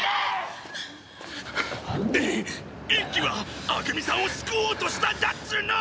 一輝は朱美さんを救おうとしたんだっつうの！